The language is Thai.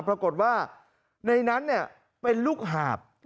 ปรากฏว่าในนั้นเป็นลูกหาบ